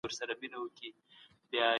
تاسو باید په دې لاره کي ثابت قدمه اوسئ.